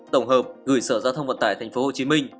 tổng hợp gửi sở giao thông vận tải thành phố hồ chí minh